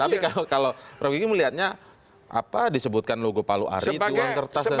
tapi kalau pak bikin melihatnya apa disebutkan logo palu ari tuang kertas dan sebagainya